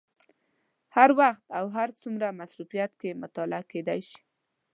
هر وخت او هر څومره مصروفیت کې مطالعه کېدای شي.